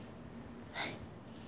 はい。